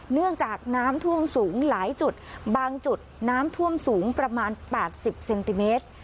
เนื่องจากน้ำท่วมสูงหลายจุดบางจุดน้ำท่วมสูงประมาณ๘๐เซนติเมตร